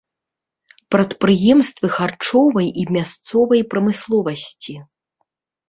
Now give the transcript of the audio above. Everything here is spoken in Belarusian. Прадпрыемствы харчовай і мясцовай прамысловасці.